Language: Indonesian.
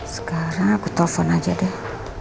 sekarang aku telepon aja deh